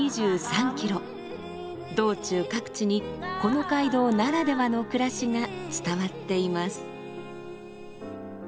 道中各地にこの街道ならではの暮らしが伝わっています。